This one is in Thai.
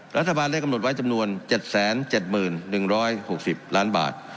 รัฐบาลได้กำหนดไว้จำนวน๗๗๑๖๐ล้านบาท